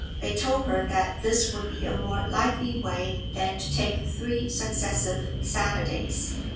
They told her that this would be a more likely way than to take three successive Saturdays.